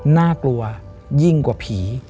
น่ากลัวยิ่งกว่าผี